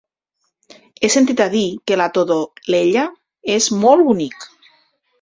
He sentit a dir que la Todolella és molt bonic.